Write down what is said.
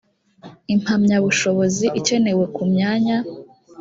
impamyabushobozi ikenewe ku myanya